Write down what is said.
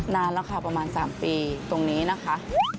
นานแล้วค่ะประมาณ๓ปีตรงนี้นะคะ